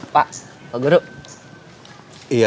di rumah bree ya